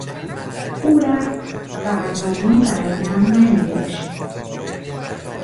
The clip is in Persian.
او رفت و نامهای برایم ننوشت.